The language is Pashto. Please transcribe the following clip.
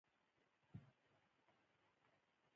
د اوبو سرچینې د افغانستان د جغرافیایي موقیعت پایله ده.